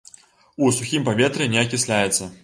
У сухім паветры не акісляецца.